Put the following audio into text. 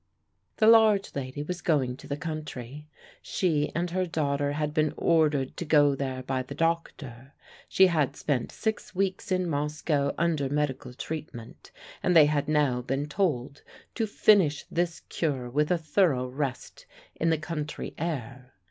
The large lady was going to the country. She and her daughter had been ordered to go there by the doctor. She had spent six weeks in Moscow under medical treatment, and they had now been told to finish this cure with a thorough rest in the country air.